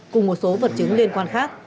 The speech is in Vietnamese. cùng một số vật chứng liên quan khác